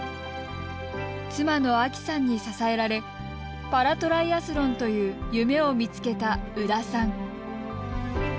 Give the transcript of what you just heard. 妻の亜紀さんに支えられパラトライアスロンという夢を見つけた宇田さん。